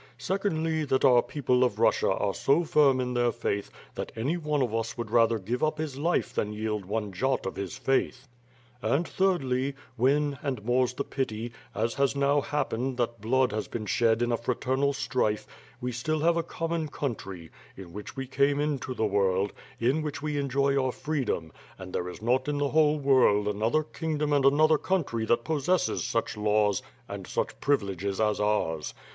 Secondly, that our people of Russia are so firm in their faith that any one of us would rather give up his life than yield one jot of his faith. And thirdly, when, and more's the pity, as has now happened that blood has been shed in a fraternal strife, we still have a common country, in which we came into the world, in which we enjoy our freedom; and there is not in the whole world another kingdom and another country that pos sesses such laws and such privileges as ours.